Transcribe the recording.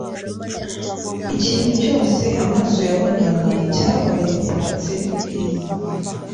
Ikintu cyose amaso yabonaga cyabaga gitatse ubwiza